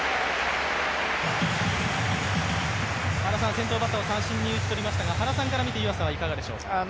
先頭バッターを三振に打ち取りましたが、原さんから見て湯浅はいかがでしょうか？